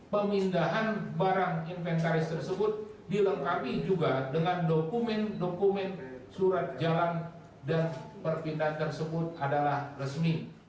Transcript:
pemindahan barang inventaris tersebut dilengkapi juga dengan dokumen dokumen surat jalan dan perpindahan tersebut adalah resmi